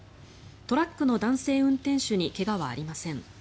トラックの男性運転手に怪我はありません。